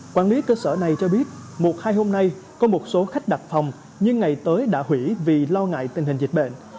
quản lý cơ sở này cho biết một hai hôm nay có một số khách đặt phòng nhưng ngày tới đã hủy vì lo ngại tình hình dịch bệnh